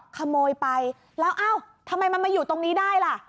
ขโมยไปแล้วเอ้าทำไมมันมาอยู่ตรงนี้ได้ล่ะ